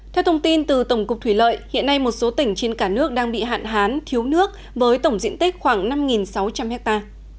theo thông tin từ tổng cục thủy lợi hiện nay một số tỉnh trên cả nước đang bị hạn hán thiếu nước với tổng diện tích khoảng năm sáu trăm linh ha